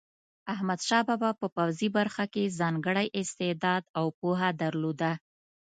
احمدشاه بابا په پوځي برخه کې ځانګړی استعداد او پوهه درلوده.